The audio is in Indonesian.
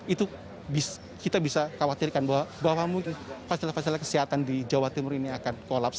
itu kita bisa khawatirkan bahwa fasilitas fasilitas kesehatan di jawa timur ini akan kolaps